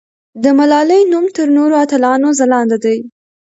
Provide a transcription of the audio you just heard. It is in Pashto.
د ملالۍ نوم تر نورو اتلانو ځلانده دی.